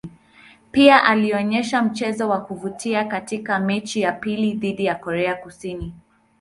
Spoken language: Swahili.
Pia alionyesha mchezo wa kuvutia katika mechi ya pili dhidi ya Korea Kusini.